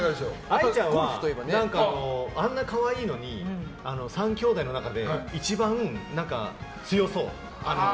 藍ちゃんはあんな可愛いのに３きょうだいの中で一番強そう。